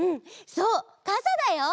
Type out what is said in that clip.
そうかさだよ！